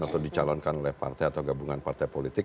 atau dicalonkan oleh partai atau gabungan partai politik